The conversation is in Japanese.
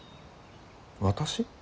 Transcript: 私？